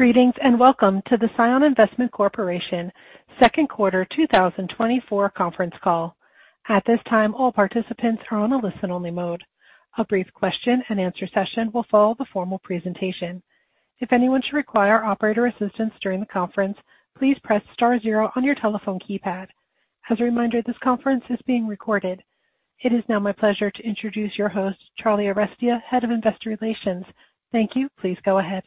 Greetings, and welcome to the CION Investment Corporation second quarter 2024 conference call. At this time, all participants are on a listen-only mode. A brief question-and-answer session will follow the formal presentation. If anyone should require operator assistance during the conference, please press star zero on your telephone keypad. As a reminder, this conference is being recorded. It is now my pleasure to introduce your host, Charlie Arestia, Head of Investor Relations. Thank you. Please go ahead.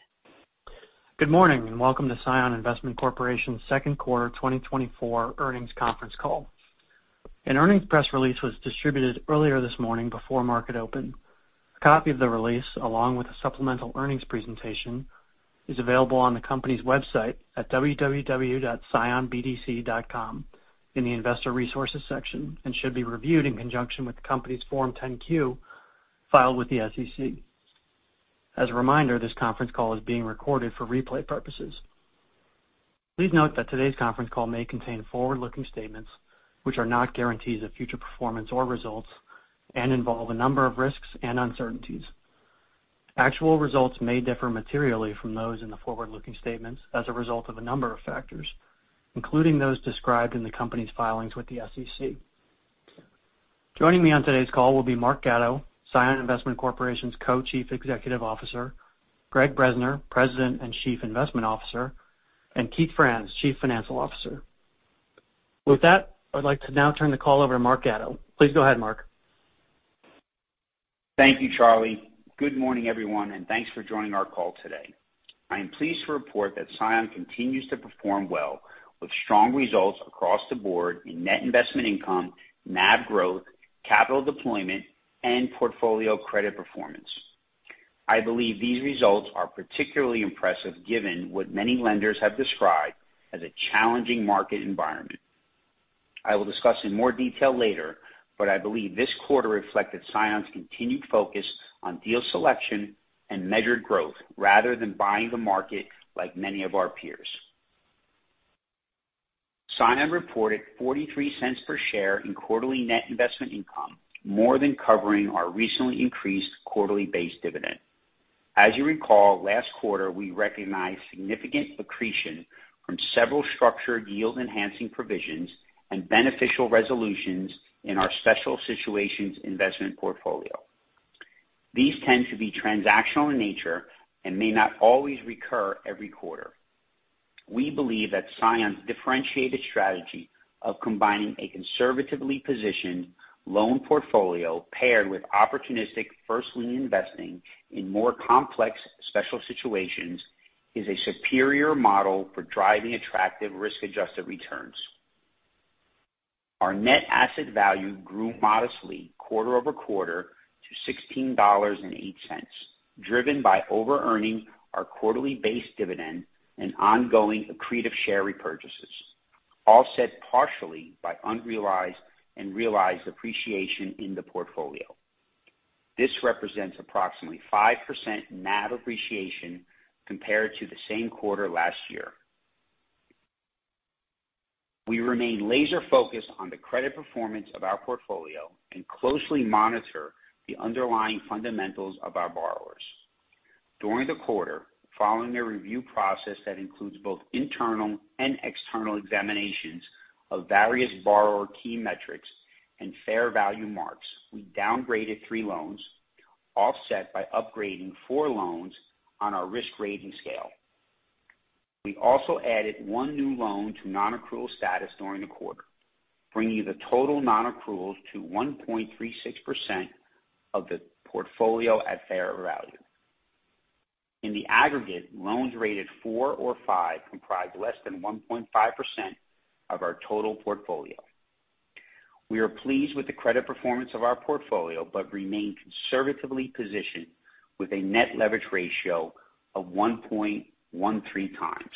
Good morning, and welcome to CION Investment Corporation's second quarter 2024 earnings conference call. An earnings press release was distributed earlier this morning before market open. A copy of the release, along with a supplemental earnings presentation, is available on the company's website at www.cionbdc.com in the Investor Resources section, and should be reviewed in conjunction with the company's Form 10-Q filed with the SEC. As a reminder, this conference call is being recorded for replay purposes. Please note that today's conference call may contain forward-looking statements which are not guarantees of future performance or results and involve a number of risks and uncertainties. Actual results may differ materially from those in the forward-looking statements as a result of a number of factors, including those described in the company's filings with the SEC. Joining me on today's call will be Mark Gatto, CION Investment Corporation's Co-Chief Executive Officer, Greg Bresner, President and Chief Investment Officer, and Keith Franz, Chief Financial Officer. With that, I'd like to now turn the call over to Mark Gatto. Please go ahead, Mark. Thank you, Charlie. Good morning, everyone, and thanks for joining our call today. I am pleased to report that CION continues to perform well, with strong results across the board in net investment income, NAV growth, capital deployment, and portfolio credit performance. I believe these results are particularly impressive, given what many lenders have described as a challenging market environment. I will discuss in more detail later, but I believe this quarter reflected CION's continued focus on deal selection and measured growth rather than buying the market, like many of our peers. CION reported $0.43 per share in quarterly net investment income, more than covering our recently increased quarterly base dividend. As you recall, last quarter, we recognized significant accretion from several structured yield-enhancing provisions and beneficial resolutions in our special situations investment portfolio. These tend to be transactional in nature and may not always recur every quarter. We believe that CION's differentiated strategy of combining a conservatively positioned loan portfolio paired with opportunistic first lien investing in more complex special situations is a superior model for driving attractive risk-adjusted returns. Our net asset value grew modestly quarter-over-quarter to $16.08, driven by overearning our quarterly base dividend and ongoing accretive share repurchases, all set partially by unrealized and realized appreciation in the portfolio. This represents approximately 5% NAV appreciation compared to the same quarter last year. We remain laser-focused on the credit performance of our portfolio and closely monitor the underlying fundamentals of our borrowers. During the quarter, following a review process that includes both internal and external examinations of various borrower key metrics and fair value marks, we downgraded 3 loans, offset by upgrading 4 loans on our risk rating scale. We also added one new loan to non-accrual status during the quarter, bringing the total non-accruals to 1.36% of the portfolio at fair value. In the aggregate, loans rated four or five comprised less than 1.5% of our total portfolio. We are pleased with the credit performance of our portfolio but remain conservatively positioned with a net leverage ratio of 1.13 times.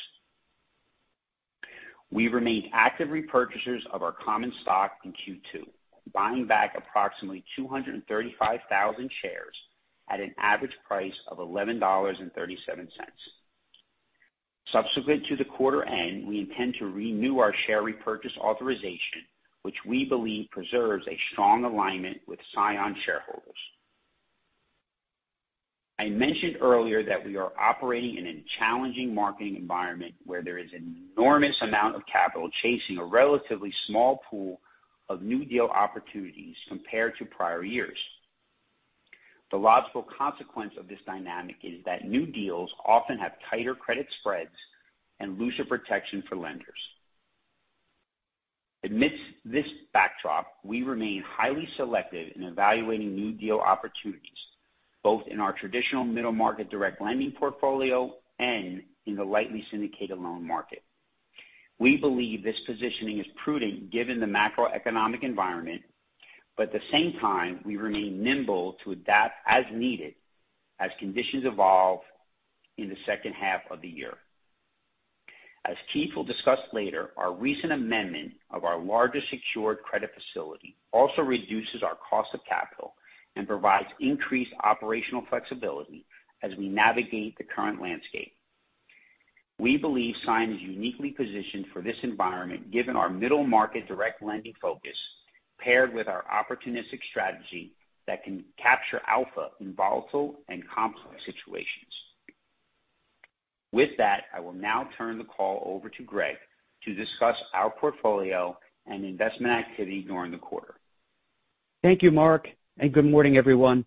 We remained active repurchasers of our common stock in Q2, buying back approximately 235,000 shares at an average price of $11.37. Subsequent to the quarter end, we intend to renew our share repurchase authorization, which we believe preserves a strong alignment with CION shareholders. I mentioned earlier that we are operating in a challenging market environment where there is an enormous amount of capital chasing a relatively small pool of new deal opportunities compared to prior years. The logical consequence of this dynamic is that new deals often have tighter credit spreads and looser protection for lenders. Amidst this backdrop, we remain highly selective in evaluating new deal opportunities, both in our traditional middle-market direct lending portfolio and in the lightly syndicated loan market. We believe this positioning is prudent given the macroeconomic environment, but at the same time, we remain nimble to adapt as needed as conditions evolve in the second half of the year. As Keith will discuss later, our recent amendment of our largest secured credit facility also reduces our cost of capital and provides increased operational flexibility as we navigate the current lending-... We believe CION is uniquely positioned for this environment, given our middle-market direct lending focus, paired with our opportunistic strategy that can capture alpha in volatile and complex situations. With that, I will now turn the call over to Greg to discuss our portfolio and investment activity during the quarter. Thank you, Mark, and good morning, everyone.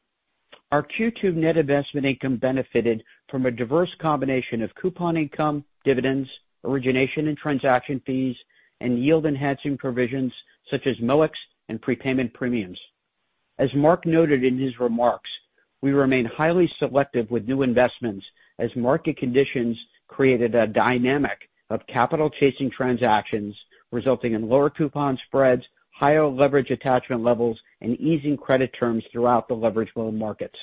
Our Q2 net investment income benefited from a diverse combination of coupon income, dividends, origination and transaction fees, and yield-enhancing provisions such as MOICs and prepayment premiums. As Mark noted in his remarks, we remain highly selective with new investments as market conditions created a dynamic of capital-chasing transactions, resulting in lower coupon spreads, higher leverage attachment levels, and easing credit terms throughout the leveraged loan markets.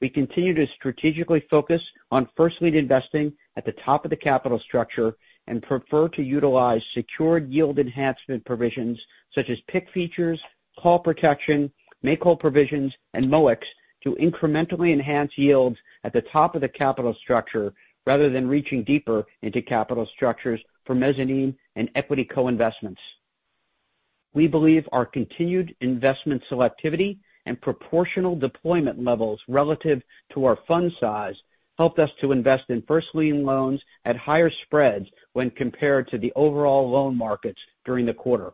We continue to strategically focus on first lien investing at the top of the capital structure and prefer to utilize secured yield enhancement provisions such as PIK features, call protection, make-whole provisions, and MOICs to incrementally enhance yields at the top of the capital structure, rather than reaching deeper into capital structures for mezzanine and equity co-investments. We believe our continued investment selectivity and proportional deployment levels relative to our fund size helped us to invest in first lien loans at higher spreads when compared to the overall loan markets during the quarter.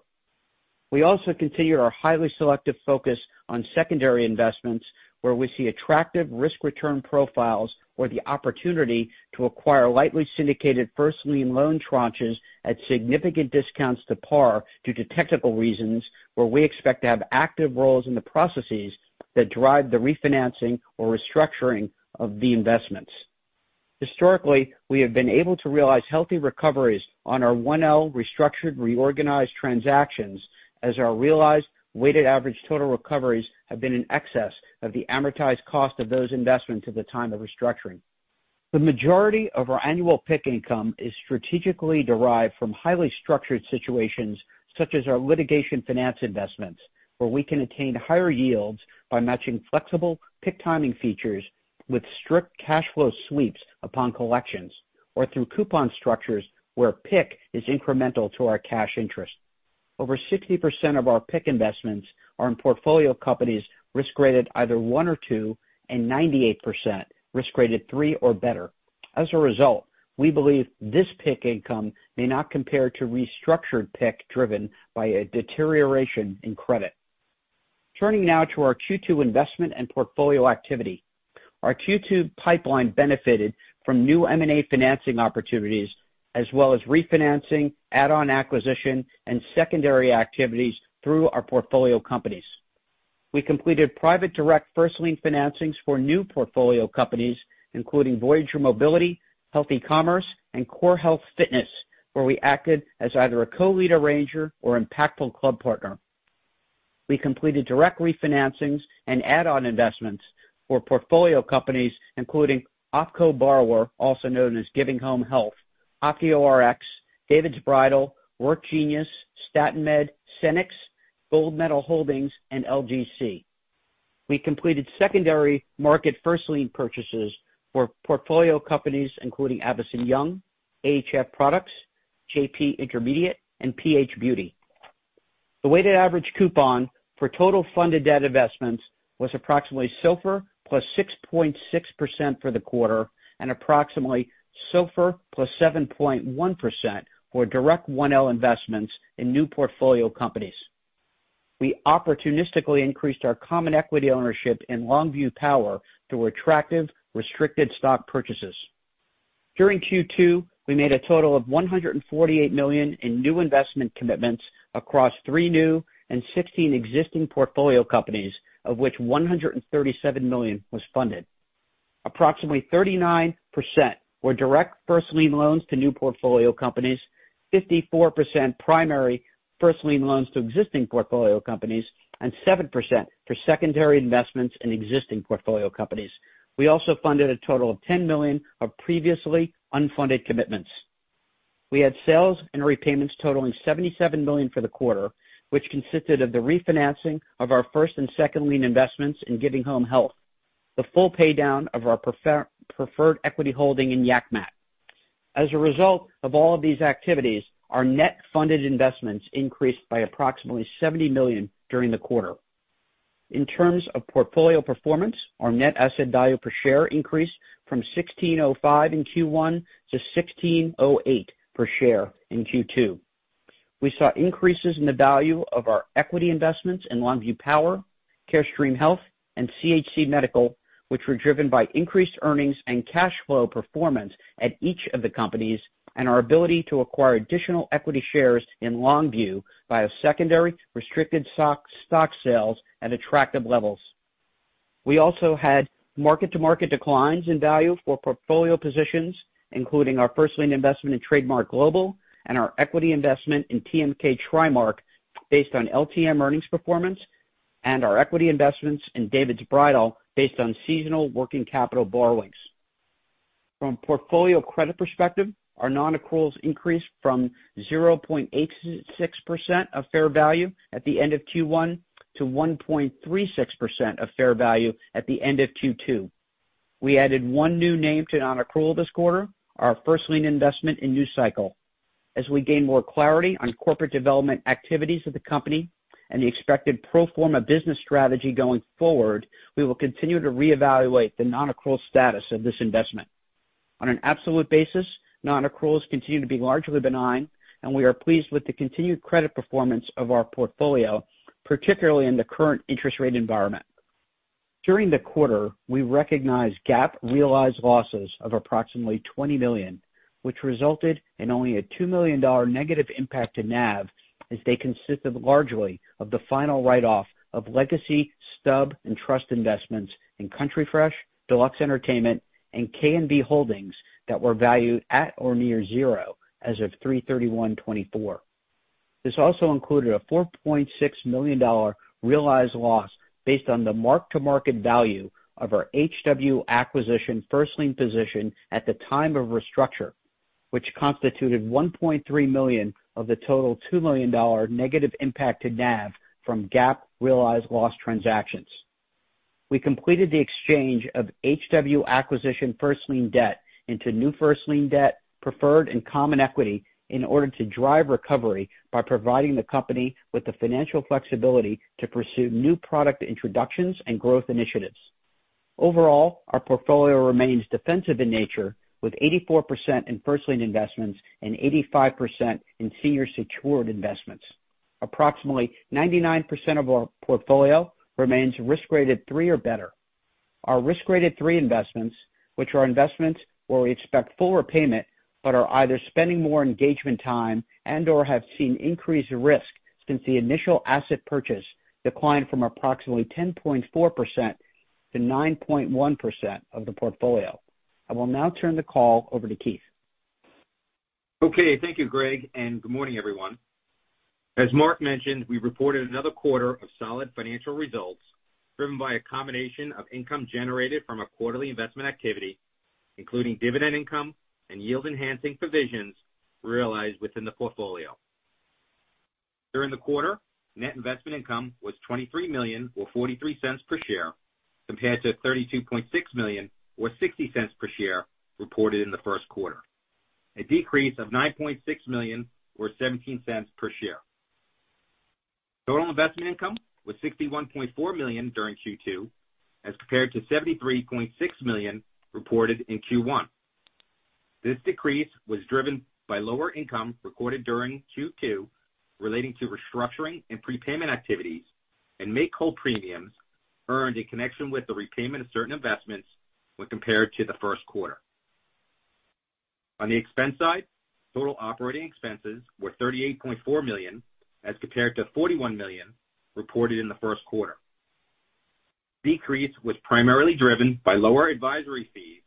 We also continued our highly selective focus on secondary investments, where we see attractive risk-return profiles or the opportunity to acquire lightly syndicated first lien loan tranches at significant discounts to par due to technical reasons, where we expect to have active roles in the processes that drive the refinancing or restructuring of the investments. Historically, we have been able to realize healthy recoveries on our 1L restructured, reorganized transactions, as our realized weighted average total recoveries have been in excess of the amortized cost of those investments at the time of restructuring. The majority of our annual PIK income is strategically derived from highly structured situations, such as our litigation finance investments, where we can attain higher yields by matching flexible PIK timing features with strict cash flow sweeps upon collections, or through coupon structures where PIK is incremental to our cash interest. Over 60% of our PIK investments are in portfolio companies risk-graded either one or two, and 98% risk-graded three or better. As a result, we believe this PIK income may not compare to restructured PIK driven by a deterioration in credit. Turning now to our Q2 investment and portfolio activity. Our Q2 pipeline benefited from new M&A financing opportunities, as well as refinancing, add-on acquisition, and secondary activities through our portfolio companies. We completed private direct first lien financings for new portfolio companies, including Voyager Global Mobility, Health-E Commerce, and Core Health & Fitness, where we acted as either a co-lead arranger or impactful club partner. We completed direct refinancings and add-on investments for portfolio companies, including OpCo Borrower, also known as Giving Home Health, OptioRx, David's Bridal, WorkGenius, StatLab, CenExel, Gold Medal Pools, and LGC. We completed secondary market first lien purchases for portfolio companies, including Abzena and Young Innovations, AHF Products, JP Intermediate, and PH Beauty. The weighted average coupon for total funded debt investments was approximately SOFR + 6.6% for the quarter and approximately SOFR + 7.1% for direct 1L investments in new portfolio companies. We opportunistically increased our common equity ownership in Longview Power through attractive restricted stock purchases. During Q2, we made a total of $148 million in new investment commitments across 3 new and 16 existing portfolio companies, of which $137 million was funded. Approximately 39% were direct first lien loans to new portfolio companies, 54% primary first lien loans to existing portfolio companies, and 7% for secondary investments in existing portfolio companies. We also funded a total of $10 million of previously unfunded commitments. We had sales and repayments totaling $77 million for the quarter, which consisted of the refinancing of our first and second lien investments in Giving Home Health, the full paydown of our preferred equity holding in Yak Mat. As a result of all of these activities, our net funded investments increased by approximately $70 million during the quarter. In terms of portfolio performance, our net asset value per share increased from $16.05 in Q1 to $16.08 per share in Q2. We saw increases in the value of our equity investments in Longview Power, Carestream Health, and CCS Medical, which were driven by increased earnings and cash flow performance at each of the companies, and our ability to acquire additional equity shares in Longview via secondary restricted stock, stock sales at attractive levels. We also had mark-to-market declines in value for portfolio positions, including our first lien investment in Trademark Global and our equity investment in TMK Trimark, based on LTM earnings performance, and our equity investments in David's Bridal, based on seasonal working capital borrowings. From a portfolio credit perspective, our non-accruals increased from 0.86% of fair value at the end of Q1 to 1.36% of fair value at the end of Q2. We added one new name to non-accrual this quarter, our first lien investment in Naviga. As we gain more clarity on corporate development activities of the company and the expected pro forma business strategy going forward, we will continue to reevaluate the non-accrual status of this investment. On an absolute basis, non-accruals continue to be largely benign, and we are pleased with the continued credit performance of our portfolio, particularly in the current interest rate environment. During the quarter, we recognized GAAP realized losses of approximately $20 million, which resulted in only a $2 million negative impact to NAV, as they consisted largely of the final write-off of legacy, stub, and trust investments in Country Fresh, Deluxe Entertainment, and K&B Holdings that were valued at or near zero as of March 31, 2024. This also included a $4.6 million realized loss based on the mark-to-market value of our H-W Acquisition first lien position at the time of restructure, which constituted $1.3 million of the total $2 million negative impact to NAV from GAAP realized loss transactions. We completed the exchange of H-W Acquisition first lien debt into new first lien debt, preferred and common equity, in order to drive recovery by providing the company with the financial flexibility to pursue new product introductions and growth initiatives. Overall, our portfolio remains defensive in nature, with 84% in first lien investments and 85% in senior secured investments. Approximately 99% of our portfolio remains risk rated 3 or better. Our risk rated three investments, which are investments where we expect full repayment, but are either spending more engagement time and/or have seen increased risk since the initial asset purchase, declined from approximately 10.4% to 9.1% of the portfolio. I will now turn the call over to Keith. Okay, thank you, Greg, and good morning, everyone. As Mark mentioned, we reported another quarter of solid financial results driven by a combination of income generated from our quarterly investment activity, including dividend income and yield-enhancing provisions realized within the portfolio. During the quarter, net investment income was $23 million, or $0.43 per share, compared to $32.6 million, or $0.60 per share, reported in the first quarter. A decrease of $9.6 million, or $0.17 per share. Total investment income was $61.4 million during Q2, as compared to $73.6 million reported in Q1. This decrease was driven by lower income recorded during Q2 relating to restructuring and prepayment activities and make-whole premiums earned in connection with the repayment of certain investments when compared to the first quarter. On the expense side, total operating expenses were $38.4 million, as compared to $41 million reported in the first quarter. Decrease was primarily driven by lower advisory fees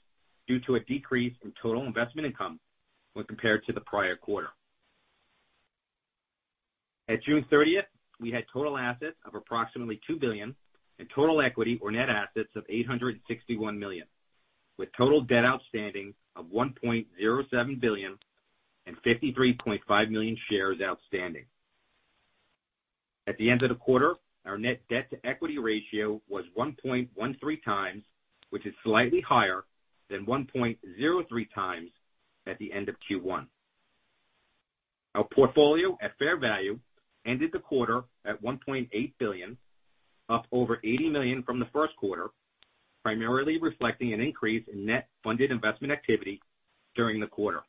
due to a decrease in total investment income when compared to the prior quarter. At June 30, we had total assets of approximately $2 billion and total equity or net assets of $861 million, with total debt outstanding of $1.07 billion and 53.5 million shares outstanding. At the end of the quarter, our net debt-to-equity ratio was 1.13 times, which is slightly higher than 1.03 times at the end of Q1. Our portfolio at fair value ended the quarter at $1.8 billion, up over $80 million from the first quarter, primarily reflecting an increase in net funded investment activity during the quarter.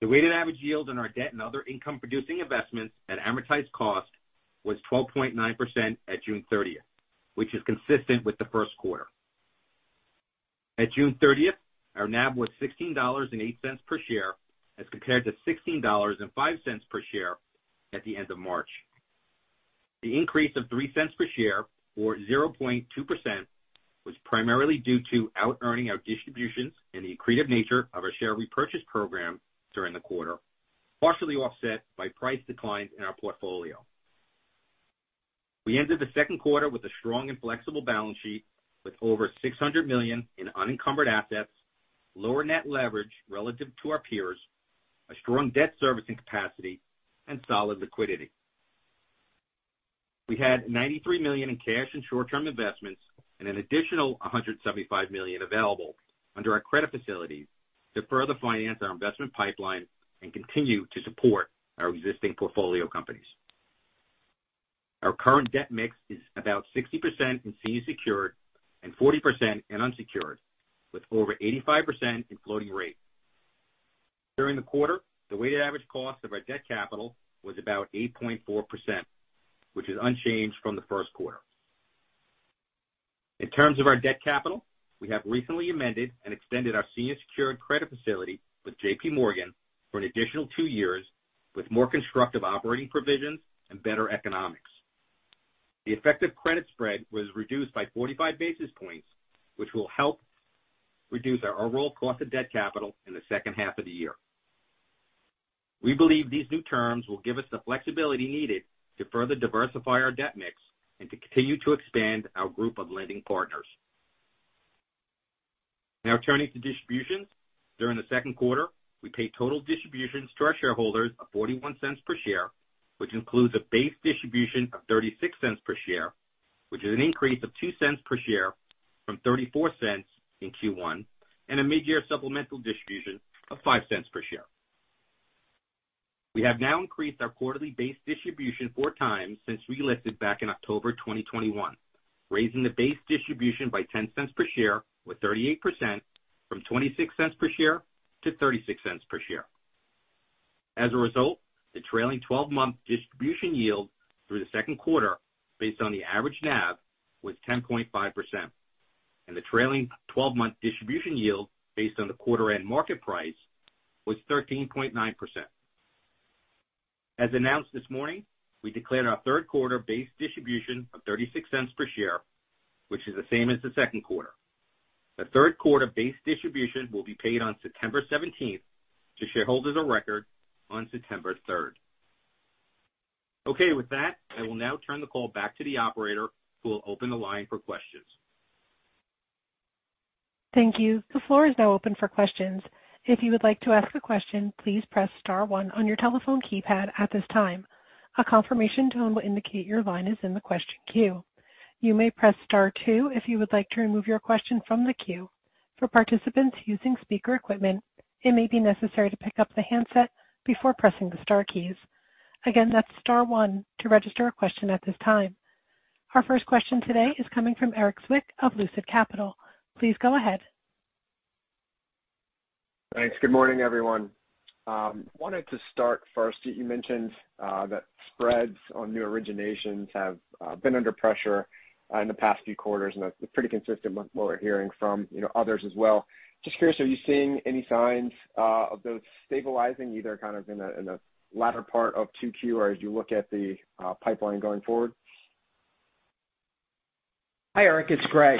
The weighted average yield on our debt and other income producing investments at amortized cost was 12.9% at June thirtieth, which is consistent with the first quarter. At June thirtieth, our NAV was $16.08 per share, as compared to $16.05 per share at the end of March. The increase of $0.03 per share, or 0.2%, was primarily due to outearning our distributions and the accretive nature of our share repurchase program during the quarter, partially offset by price declines in our portfolio. We ended the second quarter with a strong and flexible balance sheet, with over $600 million in unencumbered assets, lower net leverage relative to our peers, a strong debt servicing capacity, and solid liquidity. We had $93 million in cash and short-term investments and an additional $175 million available under our credit facilities to further finance our investment pipeline and continue to support our existing portfolio companies. Our current debt mix is about 60% in senior secured and 40% in unsecured, with over 85% in floating rate. During the quarter, the weighted average cost of our debt capital was about 8.4%, which is unchanged from the first quarter. In terms of our debt capital, we have recently amended and extended our senior secured credit facility with J.P. Morgan for an additional two years, with more constructive operating provisions and better economics. The effective credit spread was reduced by 45 basis points, which will help reduce our overall cost of debt capital in the second half of the year. We believe these new terms will give us the flexibility needed to further diversify our debt mix and to continue to expand our group of lending partners. Now turning to distributions. During the second quarter, we paid total distributions to our shareholders of $0.41 per share, which includes a base distribution of $0.36 per share, which is an increase of $0.02 per share from $0.34 in Q1, and a mid-year supplemental distribution of $0.05 per share. We have now increased our quarterly base distribution 4 times since we listed back in October 2021, raising the base distribution by $0.10 per share, or 38%, from $0.26 per share to $0.36 per share. As a result, the trailing twelve-month distribution yield through the second quarter, based on the average NAV, was 10.5%, and the trailing twelve-month distribution yield, based on the quarter-end market price, was 13.9%. As announced this morning, we declared our third quarter base distribution of $0.36 per share, which is the same as the second quarter. The third quarter base distribution will be paid on September 17 to shareholders of record on September 3. Okay, with that, I will now turn the call back to the operator, who will open the line for questions. Thank you. The floor is now open for questions. If you would like to ask a question, please press star one on your telephone keypad at this time. A confirmation tone will indicate your line is in the question queue. You may press star two if you would like to remove your question from the queue. For participants using speaker equipment, it may be necessary to pick up the handset before pressing the star keys. Again, that's star one to register a question at this time. Our first question today is coming from Eric Zwick of Lucid Capital. Please go ahead. Thanks. Good morning, everyone. Wanted to start first, you mentioned that spreads on new originations have been under pressure in the past few quarters, and that's pretty consistent with what we're hearing from, you know, others as well. Just curious, are you seeing any signs of those stabilizing, either in the latter part of 2Q or as you look at the pipeline going forward? Hi, Eric, it's Greg.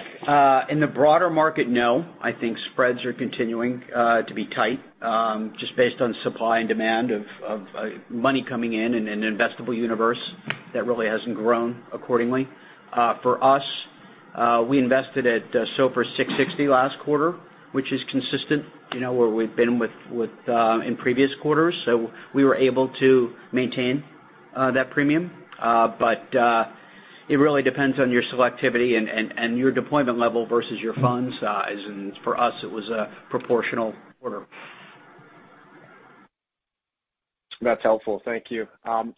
In the broader market, no. I think spreads are continuing to be tight, just based on supply and demand of money coming in and an investable universe that really hasn't grown accordingly. For us, we invested at SOFR 660 last quarter, which is consistent, you know, where we've been within previous quarters. We were able to maintain that premium. It really depends on your selectivity and your deployment level versus your fund size, and for us, it was a proportional quarter. That's helpful. Thank you.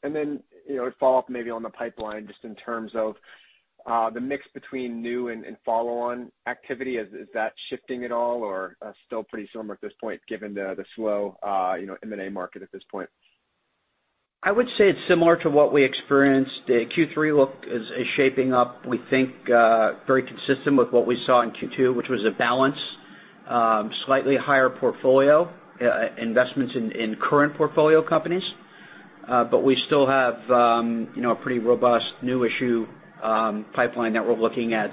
Then a follow-up maybe on the pipeline, just in terms of, the mix between new and follow-on activity. Is that shifting at all or still pretty similar at this point, given the slow M&A market at this point? I would say it's similar to what we experienced. The Q3 look is shaping up, we think, very consistent with what we saw in Q2, which was a balance, slightly higher portfolio investments in current portfolio companies. We still have a pretty robust new issue pipeline that we're looking at.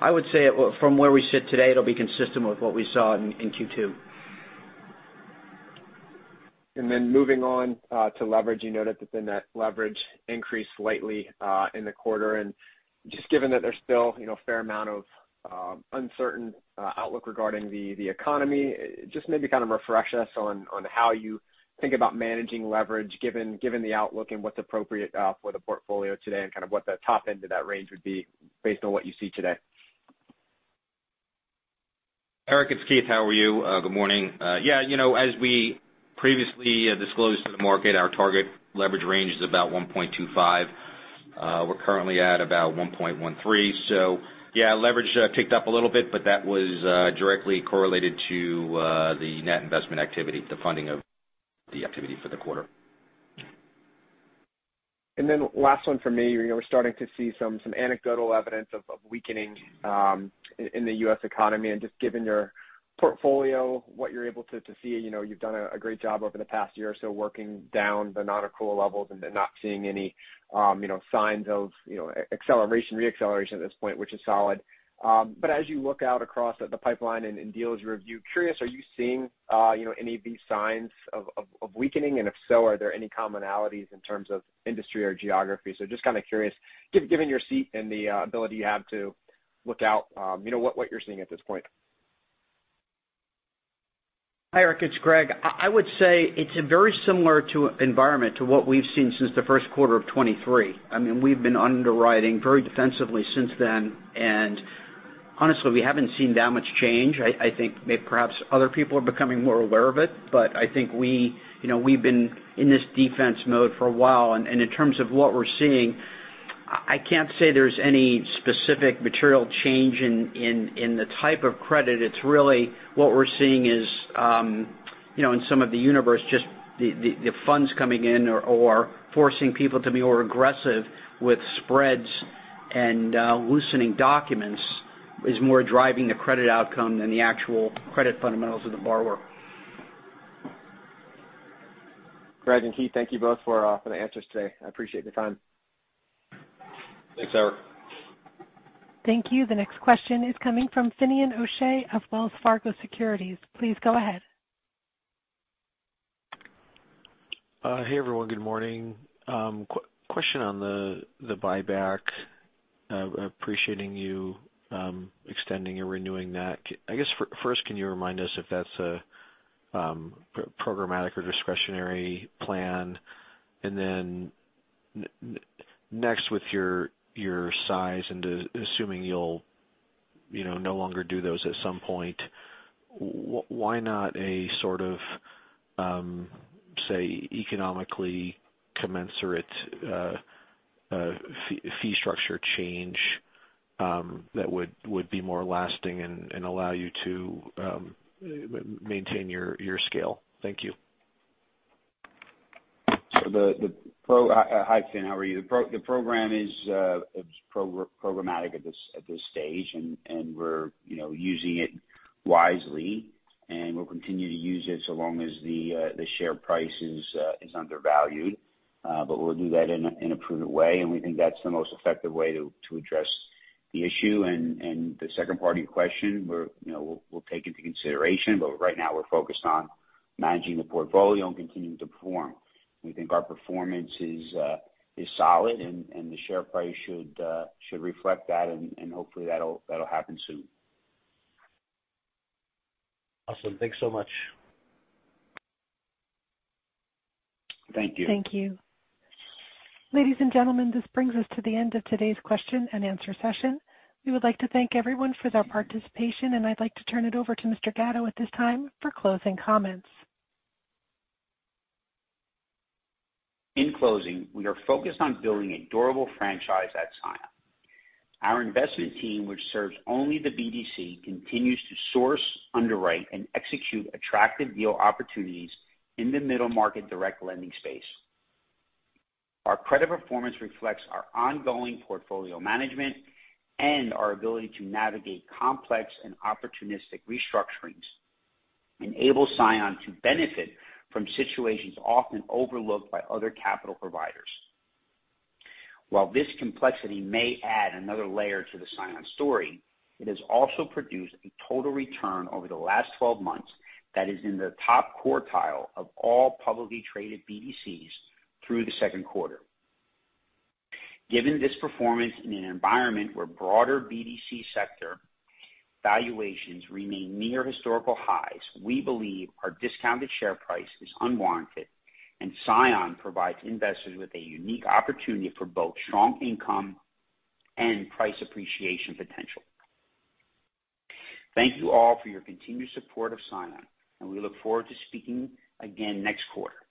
I would say it from where we sit today, it'll be consistent with what we saw in Q2. Then moving on to leverage, you noted that the net leverage increased slightly in the quarter. Just given that there's still, you know, a fair amount of uncertain outlook regarding the economy, just maybe refresh us on how you think about managing leverage, given the outlook and what's appropriate for the portfolio today and what the top end of that range would be based on what you see today. Eric, it's Keith. How are you? Good morning. Yeah, you know, as we previously disclosed to the market, our target leverage range is about 1.25. We're currently at about 1.13. So yeah, leverage ticked up a little bit, but that was directly correlated to the net investment activity, the funding of the activity for the quarter. Then last one from me. We're starting to see some, some anecdotal evidence of, of weakening in the U.S. economy, and just given your portfolio, what you're able to, to see, you've done a great job over the past year or so, working down the non-accrual levels and then not seeing any, you know, signs of, you know, acceleration, re-acceleration at this point, which is solid. As you look out across at the pipeline and, and deals you review, curious, are you seeing, you know, any of these signs of weakening? If so, are there any commonalities in terms of industry or geography? Just curious, given your seat and the, ability you have to look out what you're seeing at this point. Hi, Eric, it's Greg. I would say it's a very similar to environment to what we've seen since the first quarter of 2023. I mean, we've been underwriting very defensively since then, and honestly, we haven't seen that much change. I think maybe perhaps other people are becoming more aware of it, but I think we, you know, we've been in this defence mode for a while. In terms of what we're seeing, I can't say there's any specific material change in the type of credit. It's really what we're seeing is in some of the universe, just the funds coming in or forcing people to be more aggressive with spreads and loosening documents, is more driving the credit outcome than the actual credit fundamentals of the borrower. Greg and Keith, thank you both for the answers today. I appreciate the time. Thanks, Eric. Thank you. The next question is coming from Finian O'Shea of Wells Fargo Securities. Please go ahead. Hey, everyone. Good morning. Question on the buyback. Appreciating you extending and renewing that. First, can you remind us if that's a programmatic or discretionary plan? Then next, with your size, and assuming you'll no longer do those at some point, why not say, economically commensurate fee structure change that would be more lasting and allow you to maintain your scale? Thank you. Hi, Finn, how are you? The program is programmatic at this stage, and we're, you know, using it wisely, and we'll continue to use it so long as the share price is undervalued. Will do that in a prudent way, and we think that's the most effective way to address the issue. The second part of your question, we're, you know, we'll take into consideration, but right now we're focused on managing the portfolio and continuing to perform. We think our performance is solid and the share price should reflect that, and hopefully that'll happen soon. Awesome. Thanks so much. Thank you. Thank you. Ladies and gentlemen, this brings us to the end of today's question-and-answer session. We would like to thank everyone for their participation, and I'd like to turn it over to Mr. Gatto at this time for closing comments. In closing, we are focused on building a durable franchise at CION. Our investment team, which serves only the BDC, continues to source, underwrite, and execute attractive deal opportunities in the middle market direct lending space. Our credit performance reflects our ongoing portfolio management and our ability to navigate complex and opportunistic restructurings, enable CION to benefit from situations often overlooked by other capital providers. While this complexity may add another layer to the CION story, it has also produced a total return over the last 12 months that is in the top quartile of all publicly traded BDCs through the second quarter. Given this performance in an environment where broader BDC sector valuations remain near historical highs, we believe our discounted share price is unwarranted, and CION provides investors with a unique opportunity for both strong income and price appreciation potential. Thank you all for your continued support of CION, and we look forward to speaking again next quarter.